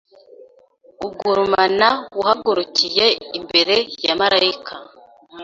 ugurumana wahagurukiye imbere ya Malayika